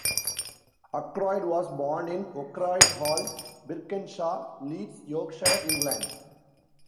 Ackroyd was born in Oakroyd Hall, Birkenshaw, Leeds, Yorkshire, England.